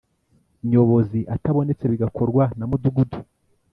Nyobozi atabonetse bigakorwa na mudugudu